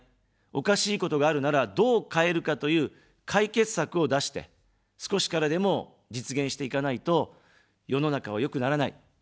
おかしいことがあるなら、どう変えるかという解決策を出して、少しからでも実現していかないと、世の中は良くならない。